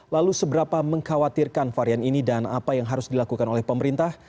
lalu seberapa mengkhawatirkan varian ini dan apa yang harus dilakukan oleh pemerintah